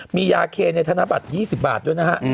มียาเคในธนบัตร๒๐บาทด้วยนะฮะ